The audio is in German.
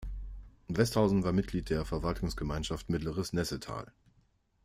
Westhausen war Mitglied der Verwaltungsgemeinschaft Mittleres Nessetal.